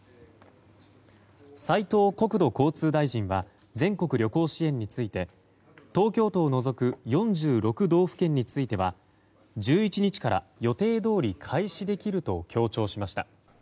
斉藤国土交通大臣は全国旅行支援について東京都を除く４６道府県については１１日から予定どおり開始できると強調しました。